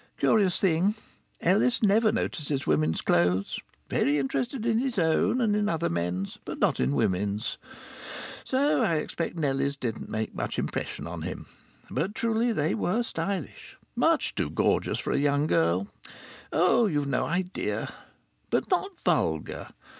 Curious thing Ellis never notices women's clothes; very interested in his own, and in other men's, but not in women's! So I expect Nellie's didn't make much impression on him. But truly they were stylish. Much too gorgeous for a young girl oh! you've no idea! but not vulgar.